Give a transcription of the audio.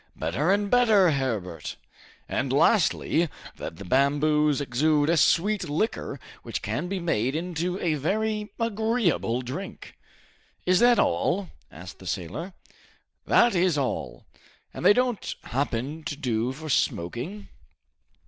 "Better and better, Herbert!" "And lastly, that the bamboos exude a sweet liquor which can be made into a very agreeable drink." "Is that all?" asked the sailor. "That is all!" "And they don't happen to do for smoking?"